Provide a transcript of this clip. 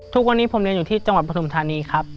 ทุกวันนี้ผมเรียนอยู่ที่จังหวัดปฐุมธานีครับ